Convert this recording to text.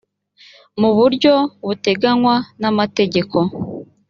mu buryo buteganywa n amategeko